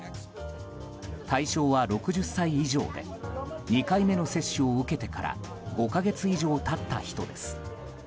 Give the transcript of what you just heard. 対象は６０歳以上で２回目の接種を受けてから５か月以上経った人です。